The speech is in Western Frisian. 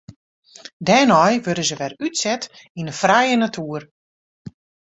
Dêrnei wurde se wer útset yn de frije natoer.